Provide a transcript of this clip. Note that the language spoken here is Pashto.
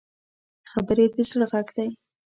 خبرې د زړه غږ دی